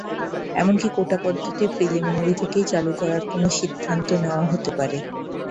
এমনকি কোটাপদ্ধতি প্রিলিমিনারি থেকেই চালু করার কোনো সিদ্ধান্ত নেওয়া হতে পারে।